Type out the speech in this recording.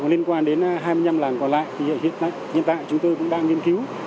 liên quan đến hai mươi năm làng còn lại thì hiện tại chúng tôi cũng đang nghiên cứu